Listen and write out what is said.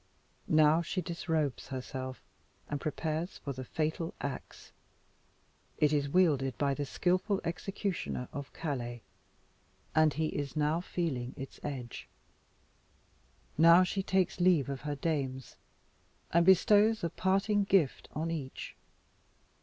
Now she disrobes herself, and prepares for the fatal axe. It is wielded by the skilful executioner of Calais, and he is now feeling its edge. Now she takes leave of her dames, and bestows a parting gift on each.